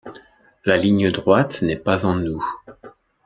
La ligne droite n'est pas en nous.